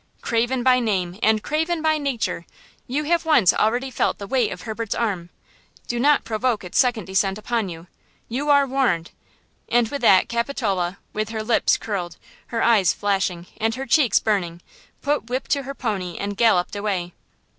Craven by name and Craven by nature, you have once already felt the weight of Herbert's arm! Do not provoke its second decent upon you! You are warned!" and with that Capitola, with her lips curled, her eyes flashing and her cheeks burning, put whip to her pony and galloped away.